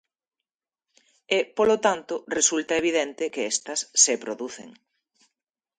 E, polo tanto, resulta evidente que estas se producen.